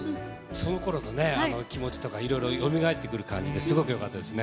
そのころの気持ちとかいろいろよみがえってくる感じですごくよかったですね。